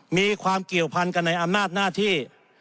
มีความเกี่ยวพันกันในอำนาจหน้าที่